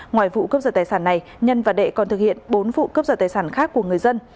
ngoài vụ cướp giật tài sản này nhân và đệ còn thực hiện bốn vụ cướp giật tài sản khác của người dân